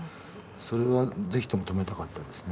それはぜひとも止めたかったですね。